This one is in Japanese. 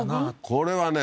これはね